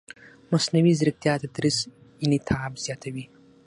مصنوعي ځیرکتیا د تدریس انعطاف زیاتوي.